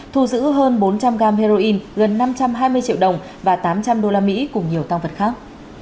thu giữ hơn bốn trăm linh gam heroin gần năm trăm hai mươi triệu đồng và tám trăm linh đô la mỹ cùng nhiều tăng vật khác